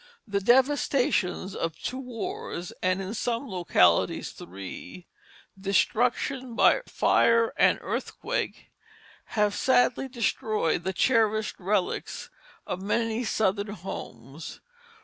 The devastations of two wars (and in some localities three) destruction by fire and earthquake have sadly destroyed the cherished relics of many southern homes.